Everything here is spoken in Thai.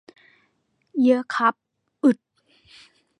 เยอะครับ อึด